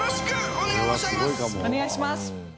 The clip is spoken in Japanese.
お願いします。